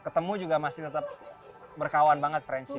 ketemu juga masih tetap berkawan banget friendsnya